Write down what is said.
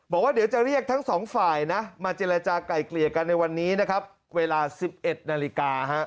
บอกว่าเดี๋ยวจะเรียกทั้งสองฝ่ายนะมาเจรจากลายเกลี่ยกันในวันนี้นะครับเวลา๑๑นาฬิกา